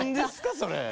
それ。